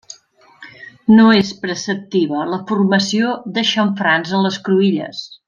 No és preceptiva la formació de xamfrans en les cruïlles.